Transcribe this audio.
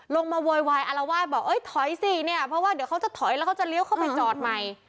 โวยวายอารวาสบอกเอ้ยถอยสิเนี่ยเพราะว่าเดี๋ยวเขาจะถอยแล้วเขาจะเลี้ยวเข้าไปจอดใหม่